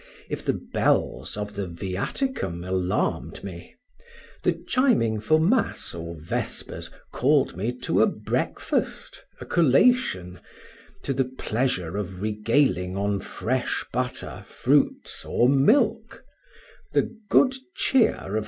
If the bells of the viaticum alarmed me, the chiming for mass or vespers called me to a breakfast, a collation, to the pleasure of regaling on fresh butter, fruits, or milk; the good cheer of M.